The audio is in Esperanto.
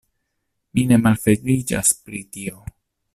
Mi ne malfeliĉas pri tio.